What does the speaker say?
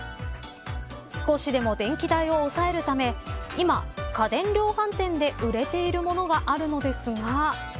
少しでも電気代を抑えるため今、家電量販店で売れているものがあるのですが。